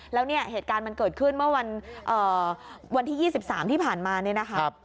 แล้วเหตุการณ์มันเกิดขึ้นเมื่อวันวันที่๒๓ที่ผ่านมา